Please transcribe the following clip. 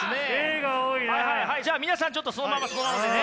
じゃあ皆さんちょっとそのままそのままでね。